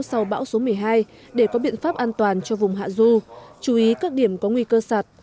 sau bão số một mươi hai để có biện pháp an toàn cho vùng hạ du chú ý các điểm có nguy cơ sạt